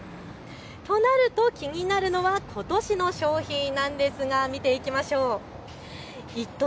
となると気になるのはことしの賞品なんですが見ていきましょう。